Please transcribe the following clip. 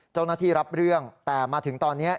เจ้าหน้าที่รับเรื่องแต่มาถึงตอนนี้